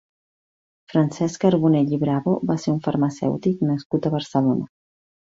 Francesc Carbonell i Bravo va ser un farmacèutic nascut a Barcelona.